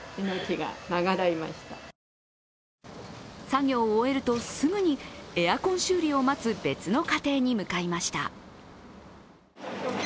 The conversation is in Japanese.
作業を終えると、すぐにエアコン修理を待つ別の家庭に向かいました。